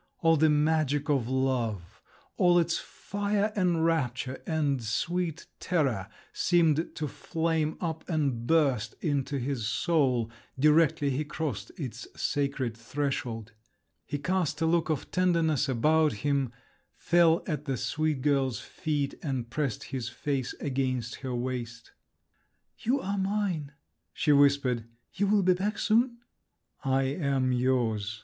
All the magic of love, all its fire and rapture and sweet terror, seemed to flame up and burst into his soul, directly he crossed its sacred threshold…. He cast a look of tenderness about him, fell at the sweet girl's feet and pressed his face against her waist…. "You are mine," she whispered: "you will be back soon?" "I am yours.